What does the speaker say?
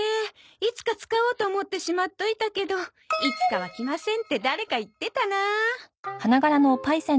いつか使おうと思ってしまっといたけど「“いつか”は来ません」って誰か言ってたな。